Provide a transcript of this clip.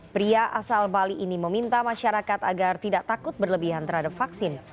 pria asal bali ini meminta masyarakat agar tidak takut berlebihan terhadap vaksin